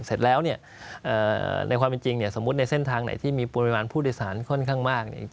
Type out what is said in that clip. เสร็จแล้วในความจริงสมมติในเส้นทางไหนที่มีปริมาณผู้โดยสารค่อนข้างมาก